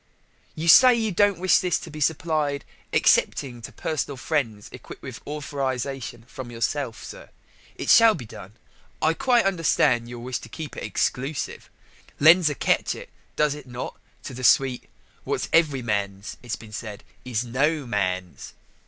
"You say you don't wish this to be supplied excepting to personal friends equipped with a authorization from yourself, sir. It shall be done. I quite understand your wish to keep it exclusive: lends a catchit, does it not, to the suite? What's every man's, it's been said, is no man's."